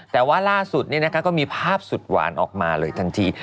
แต่ว่าล่าสุดก็มีภาพสุดหวานออกมาเลยทันที